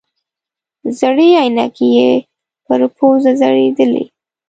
زړې عینکې یې پر پوزه ځړېدلې.